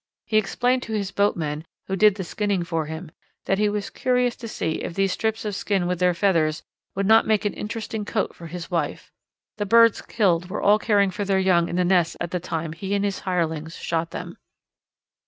He explained to his boatmen, who did the skinning for him, that he was curious to see if these strips of skin with their feathers would not make an interesting coat for his wife. The birds killed were all caring for their young in the nests at the time he and his hirelings shot them.